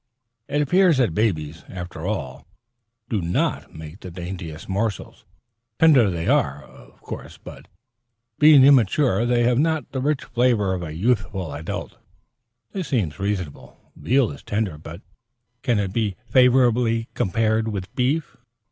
It appears that babies, after all, do not make the daintiest morsels. Tender they are, of course, but, being immature, they have not the rich flavor of a youthful adult. This seems reasonable. Veal is tender, but can it be favorably compared with beef?